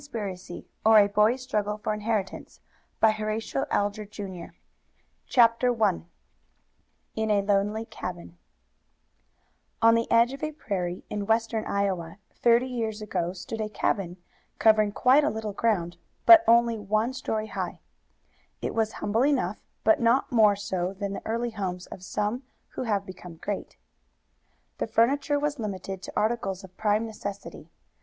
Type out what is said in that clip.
S. A. M. A. DONOHUE & COMPANY CHICAGO :: NEW YORK A COUSIN'S CONSPIRACY CHAPTER I IN A LONELY CABIN On the edge of a prairie, in western Iowa, thirty years ago, stood a cabin, covering quite a little ground, but only one story high. It was humble enough, but not more so than the early homes of some who have become great. The furniture was limited to articles of prime necessity.